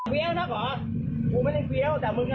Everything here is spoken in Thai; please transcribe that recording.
แล้วเนี่ยกูออกมาเจอกันกูขอให้ได้ดีกว่ามา